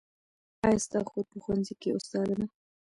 ایا ستا خور په ښوونځي کې استاده ده؟